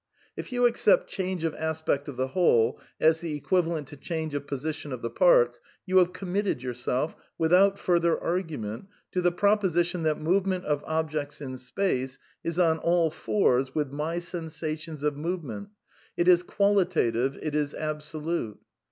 If you accept change of aspect of the whole, as the equivalent to change of position of the parts, you have committed yourself, with out further argument, to the proposition that movement of objects in space is on all fours with my sensations of movement; it is qualitative; it is absolute.